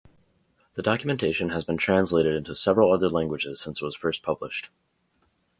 The documentation has been translated into several other languages since it was first published.